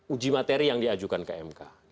uji materi yang diajukan ke mk